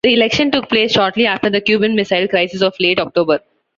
The election took place shortly after the Cuban Missile Crisis of late October.